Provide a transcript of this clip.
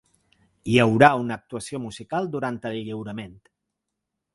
Hi haurà una actuació musical durant el lliurament.